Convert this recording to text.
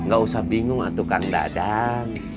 gak usah bingung atuh kak dadang